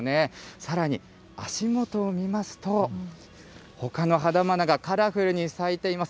さらに、足元を見ますと、ほかの花々がカラフルに咲いています。